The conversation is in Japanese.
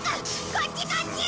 こっちこっち！